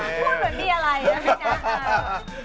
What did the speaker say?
วันนี้เราไม่ได้มาแค่นี้นะครับ